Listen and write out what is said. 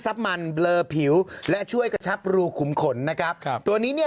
ซับมันเลิกผิวและช่วยกระชักรูขุมขนนะครับตัวนี้